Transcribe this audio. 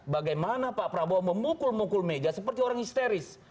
bagaimana pak prabowo memukul mukul meja seperti orang histeris